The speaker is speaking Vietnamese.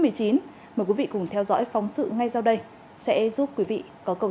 mời quý vị cùng theo dõi phóng sự ngay sau đây sẽ giúp quý vị có câu trả lời